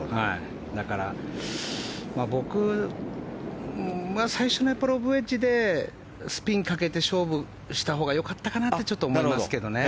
だから、僕は最初はロブウェッジでスピンをかけて勝負したほうが良かったかなとちょっと思いますけどね。